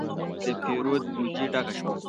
د پیرود بوجي ډکه شوه.